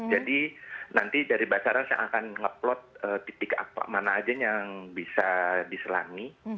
jadi nanti dari basarnas yang akan upload titik mana aja yang bisa diselami